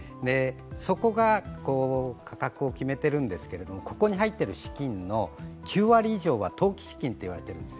そこが価格を決めているんですがここに入っている資金の９割以上は投機資金と言われているんですよ。